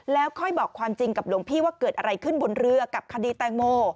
แล้วค่อยบอกความจริงกับหลวงพี่ว่าเกิดอะไรขึ้นบนเรือกับคดีแตงโม